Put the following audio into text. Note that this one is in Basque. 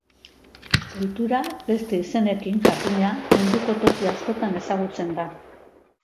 Ohitura, beste izenekin, jakina, munduko toki askotan ezagutzen da.